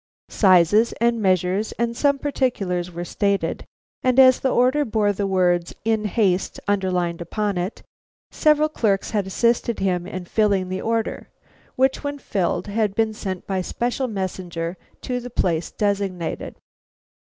Sizes and measures and some particulars were stated, and as the order bore the words In haste underlined upon it, several clerks had assisted him in filling this order, which when filled had been sent by special messenger to the place designated.